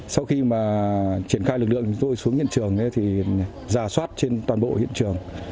sau khi mà triển khai lực lượng tôi xuống hiện trường thì ra soát trên toàn bộ hiện trường